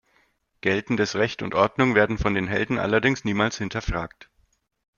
Geltendes Recht und Ordnung werden von den Helden allerdings niemals hinterfragt.